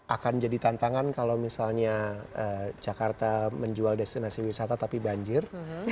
akan jadi tantangan kalau misalnya jakarta menjual destinasi wisata tapi banjir